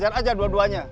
saya ajar ajar dua duanya